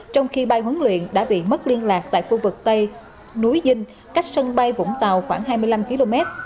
trong khi bay huấn luyện đã bị mất liên lạc tại khu vực tây núi dinh cách sân bay vũng tàu khoảng hai mươi năm km